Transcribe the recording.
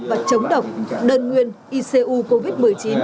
và chống độc đơn nguyên icu covid một mươi chín